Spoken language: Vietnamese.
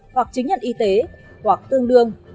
hoặc chứng nhận y tế hoặc tương đương